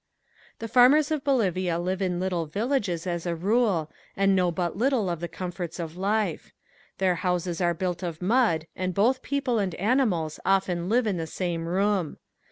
The farmers of Bolivia live in little villages as a rule and know but little of the comforts of life. Their houses are built of mud and both people and animals often live in the same room.